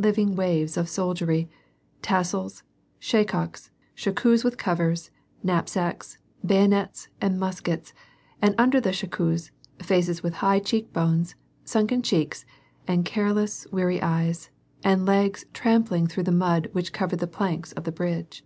living waves of soldiery, tassels, shakos with covers, knapsacks, bayonets, and muskets, and under the shakos, faces with high cheek bones, sunken cheeks, and careless, weary eyes, and legs trampling through the mud which covered the planks of the bridge.